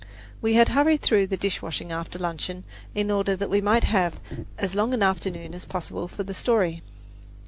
We had hurried through the dish washing after luncheon, in order that we might have as long an afternoon as possible for the story.